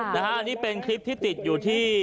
อันนี้เป็นคลิปที่ติดอยู่ที่